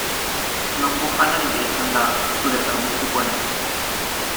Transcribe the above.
Nongo janaria izan da zuretzat gustukoena?